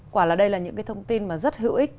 quả là đây là những cái thông tin mà rất hữu ích